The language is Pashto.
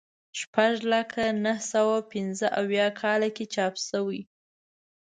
شپږ لکه نهه سوه پنځه اویا کال کې چاپ شوی.